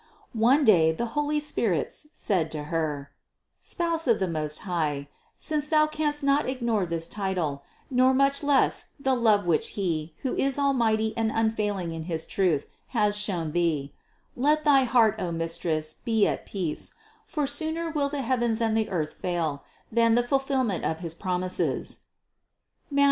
One day the holy spirits said to Her: "Spouse of the Most High, since Thou canst not ignore this title, nor much less the love which He, who is al mighty and unfailing in his truth, has shown Thee, let thy heart, O Mistress, be at peace; for sooner will the heavens and the earth fail, than the fulfillment of his promises (Matth.